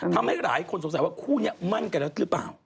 ทำให้หลายคนสงสัยว่าคู่นี้มั่นกันแล้วหรือเปล่า